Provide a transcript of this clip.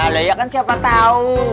laya kan siapa tau